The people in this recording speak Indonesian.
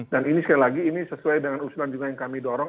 dan ini sekali lagi ini sesuai dengan usulan juga yang kami dorong